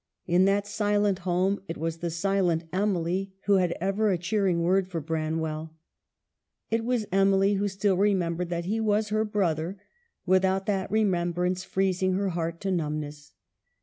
In that silent home, it was the silent Emily who had ever a cheering word for Branwell ; it was Emily who still re membered that he was her brother, without that remembrance freezing her heart to numbness.